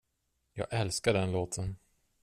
Jag älskar den låten.